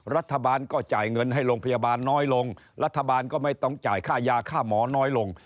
รัฐบาลก็จ่ายเงินให้โรงพยาบาลน้อยลงรัฐบาลก็ไม่ต้องจ่ายค่ายาค่าหมอน้อยลง